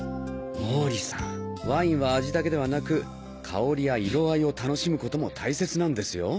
毛利さんワインは味だけではなく香りや色合いを楽しむことも大切なんですよ。